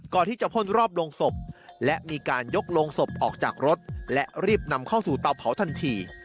ก่อนที่จะพ่นรอบโรงศพและมีการยกโรงศพออกจากรถและรีบนำเข้าสู่เตาเผาทันที